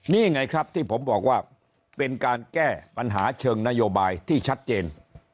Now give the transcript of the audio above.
นี่ไงครับที่ผมบอกว่าเป็นการแก้ปัญหาเชิงนโยบายที่ชัดเจน